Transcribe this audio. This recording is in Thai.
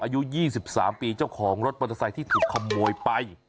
อายุ๒๓ปีเจ้าของรถมอเตอร์ไซค์ที่ถูกขโมยไป